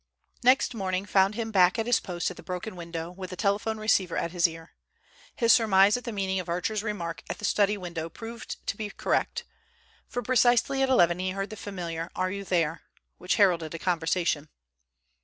Next morning found him back at his post at the broken window, with the telephone receiver at his ear. His surmise at the meaning of Archer's remark at the study window proved to be correct, for precisely at eleven he heard the familiar: "Are you there?" which heralded a conversation.